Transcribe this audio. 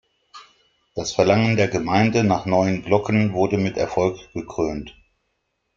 Das Verlangen der Gemeinde nach neuen Glocken wurde mit Erfolg gekrönt.